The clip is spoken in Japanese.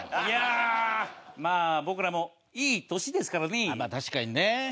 いやあまあ僕らもいい年ですからねえ。